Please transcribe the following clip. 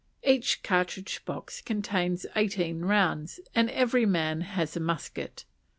Each cartridge box contains eighteen rounds, and every man has a musket.